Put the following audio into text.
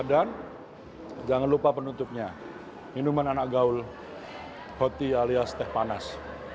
dan jangan lupa penutupnya minuman anak gaul hoti alias teh panas